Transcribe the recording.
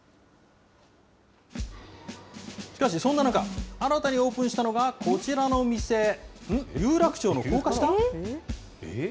しかしそんな中、新たにオープンしたのが、こちらの店、有楽町の高架下？